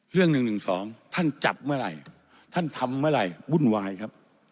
เรื่อง๑๑๒ท่านจับเมื่อไหร่ท่านทำเมื่อไหร่วุ่นวายครับ